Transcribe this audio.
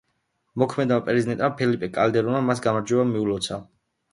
მოქმედმა პრეზიდენტმა, ფელიპე კალდერონმა მას გამარჯვება მიულოცა.